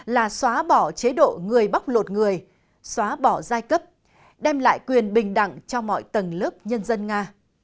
là xóa bỏ chế độ người bóc lột người xóa bỏ giai cấp đem lại quyền bình đẳng cho mọi tầng lớp nhân dân nga